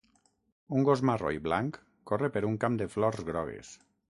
Un gos marró i blanc corre per un camp de flors grogues.